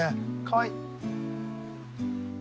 かわいい。